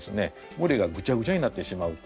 むれがぐちゃぐちゃになってしまうと。